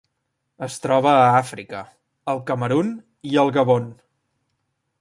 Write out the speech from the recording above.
Es troba a Àfrica: el Camerun i el Gabon.